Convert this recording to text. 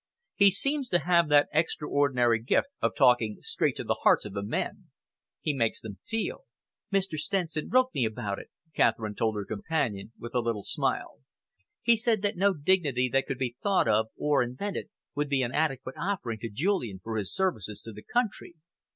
He seems to have that extraordinary gift of talking straight to the hearts of the men. He makes them feel." "Mr. Stenson wrote me about it," Catherine told her companion, with a little smile. "He said that no dignity that could be thought of or invented would be an adequate offering to Julian for his services to the country.